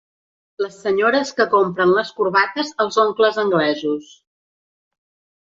Les senyores que compren les corbates als oncles anglesos.